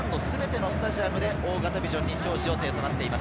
Ｊ１の全てのスタジアムで大型ビジョンに表示予定となっています。